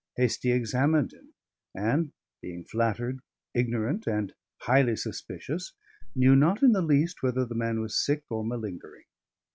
Hastie examined him; and being flattered, ignorant, and highly suspicious, knew not in the least whether the man was sick or malingering.